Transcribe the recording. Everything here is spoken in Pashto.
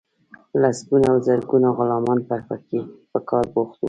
لسګونه او زرګونه غلامان به پکې په کار بوخت وو.